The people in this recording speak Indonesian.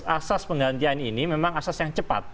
asas penggantian ini memang asas yang cepat